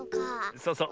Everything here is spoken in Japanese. そうそう。